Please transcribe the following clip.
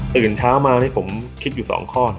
ตื่นเช้ามานี่ผมคิดอยู่๒ข้อ